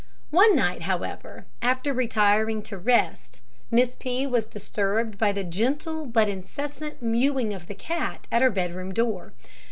One night, however, after retiring to rest, Miss P was disturbed by the gentle but incessant mewing of the cat at her bed room door.